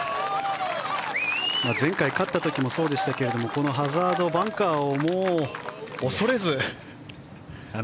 前回、勝った時もそうでしたけどハザード、バンカーを恐れずに。